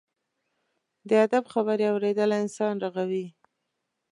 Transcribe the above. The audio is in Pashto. د ادب خبرې اورېدل انسان رغوي.